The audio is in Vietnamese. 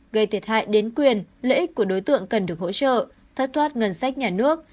gây thiệt hại đến quyền lợi ích của đối tượng cần được hỗ trợ thất thoát ngân sách nhà nước